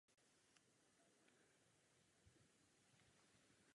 U nás dokument vysílá český National Geographic Channel.